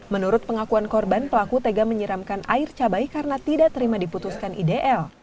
menurut pengakuan korban pelaku tega menyiramkan air cabai karena tidak terima diputuskan idl